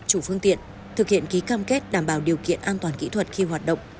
chủ phương tiện thực hiện ký cam kết đảm bảo điều kiện an toàn kỹ thuật khi hoạt động